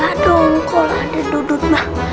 aduh kalau ada duduk mah